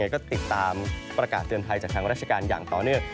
ก็ติดตามประกาศเตือนภัยจากทางราชการอย่างต่อเนื่อง